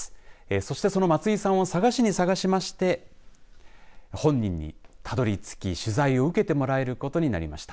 そしてその松井さんを捜しに捜しまして本人にたどりつき取材を受けてもらえることになりました。